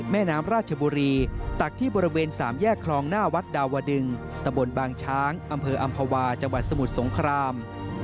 แม่น้ำราชบุรีตักที่บริเวณสามแยกคลองหน้าวัดดาวดึงตะบนบางช้างอำเภออำภาวาจังหวัดสมุทรสงคราม